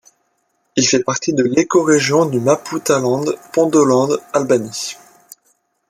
Il fait partie de l'écorégion du Maputaland-Pondoland-Albany.